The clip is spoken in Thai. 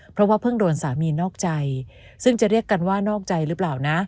เพราะว่าเพิ่งโดนสามีนอกใจซึ่งจะเรียกกันว่านอกใจหรือเปล่านะ